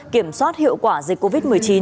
kiểm soát hiệu quả dịch covid một mươi chín